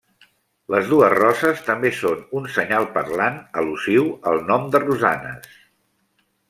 Les dues roses també són un senyal parlant al·lusiu al nom de Rosanes.